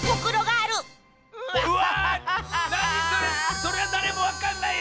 そりゃだれもわかんないよ！